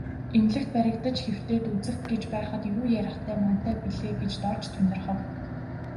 Эмнэлэгт баригдаж хэвтээд үхэх гэж байхад юу ярихтай мантай билээ гэж Дорж тунирхав.